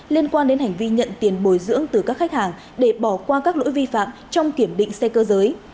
liên quan đến hành vi nhận tiền bồi dưỡng từ các khách hàng để bỏ qua các lỗi vi phạm trong kiểm định xe cơ giới